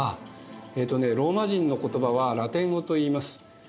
ローマ人の言葉はラテン語といいます。